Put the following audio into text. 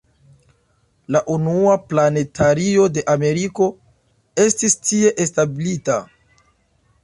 La unua planetario de Ameriko estis tie establita.